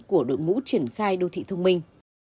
của đội ngũ triển khai đô thị thông minh